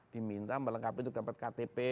diminta melengkapi dapat ktp